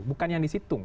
bukan yang disitung